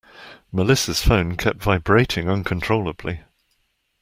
Melissa's phone kept vibrating uncontrollably.